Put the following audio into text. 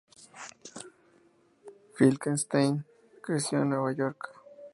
Finkelstein creció en Nueva York.